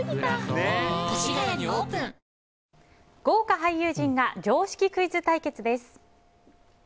豪華俳優陣が常識クイズ対決です。